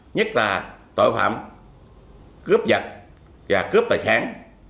nhất là tội phạm cướp vật và cướp tài sản